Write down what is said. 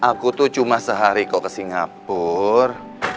aku tuh cuma sehari kok ke singapura